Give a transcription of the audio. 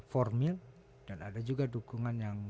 formil dan ada juga dukungan yang